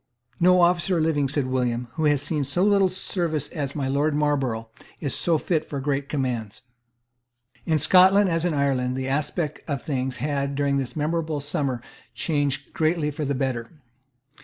"No officer living," said William, "who has seen so little service as my Lord Marlborough, is so fit for great commands." In Scotland, as in Ireland, the aspect of things had, during this memorable summer, changed greatly for the better.